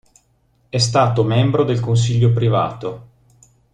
È stato membro del consiglio privato.